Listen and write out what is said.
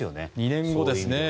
２年後ですね。